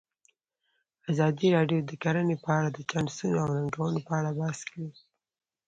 ازادي راډیو د کرهنه په اړه د چانسونو او ننګونو په اړه بحث کړی.